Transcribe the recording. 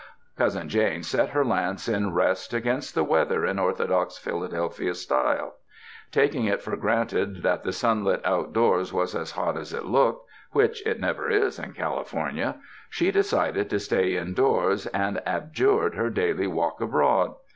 Cousin Jane set her lance in rest against the weather in orthodox Philadelphia style. Taking it for granted that the sunlit outdoors was as hot as it looked, which it never is in California, she decided to stay indoors, and abjured her daily walk abroad.